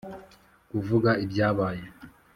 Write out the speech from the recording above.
kuvuga ibyabaye